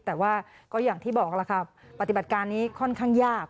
แต่ว่าก็อย่างที่บอกล่ะครับปฏิบัติการนี้ค่อนข้างยาก